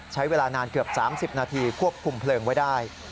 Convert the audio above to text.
ใช้เวลานานเกือบ๓๐นาทีควบคุมเพลิงไว้ได้